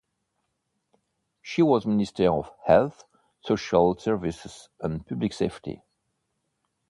She was Minister of Health, Social Services and Public Safety.